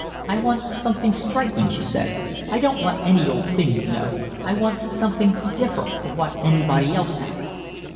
"I want something striking," she said. "I don't want any old thing you know. I want something different from what anybody else has."